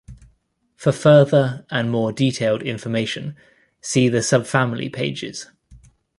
For further and more detailed information, see the subfamily pages.